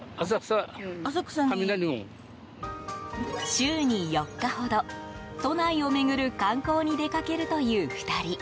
週に４日ほど、都内を巡る観光に出かけるという２人。